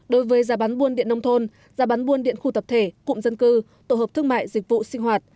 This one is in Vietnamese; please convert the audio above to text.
đối với giá bán buôn điện nông thôn giá bán buôn điện khu tập thể cụm dân cư tổ hợp thương mại dịch vụ sinh hoạt